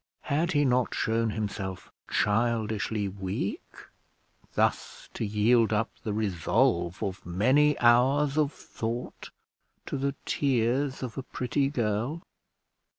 Had he not shown himself childishly weak thus to yield up the resolve of many hours of thought to the tears of a pretty girl?